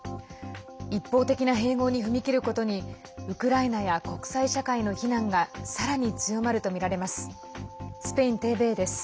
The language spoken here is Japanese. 一方的な併合に踏み切ることにウクライナや国際社会の非難がさらに強まるとみられます。